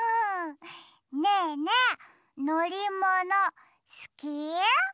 ねえねえのりものすき？